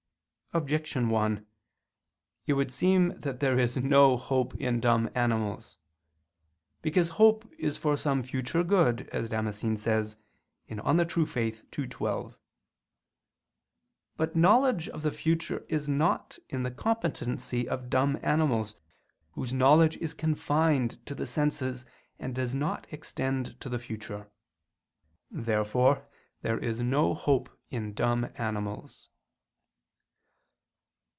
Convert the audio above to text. Objection 1: It would seem that there is no hope in dumb animals. Because hope is for some future good, as Damascene says (De Fide Orth. ii, 12). But knowledge of the future is not in the competency of dumb animals, whose knowledge is confined to the senses and does not extend to the future. Therefore there is no hope in dumb animals.